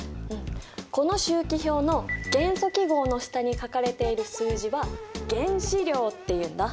この周期表の元素記号の下に書かれている数字は原子量っていうんだ。